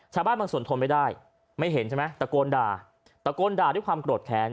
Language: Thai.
ชาวบ้านบางส่วนทนไม่ได้ไม่เห็นใช่ไหมตะโกนด่าตะโกนด่าด้วยความโกรธแค้น